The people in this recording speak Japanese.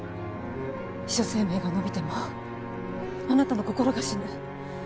秘書生命が延びてもあなたの心が死ぬ。